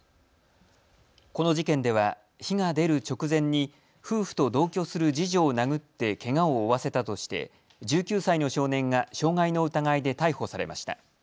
この事件では火が出る直前に夫婦と同居する次女を殴ってけがを負わせたとして１９歳の少年が傷害の疑いで逮捕されました。